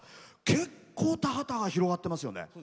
結構、田畑が広がってますよね。